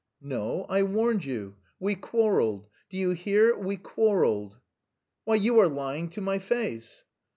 "No, I warned you. We quarrelled. Do you hear, we quarrelled?" "Why, you are lying to my face!"